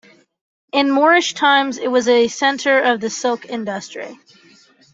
In Moorish times it was a centre of the silk industry.